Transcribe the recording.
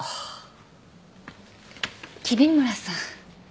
桐村さん。